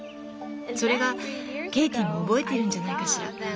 それがケイティも覚えているんじゃないかしら？